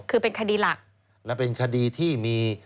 คือเป็นคดีหลัก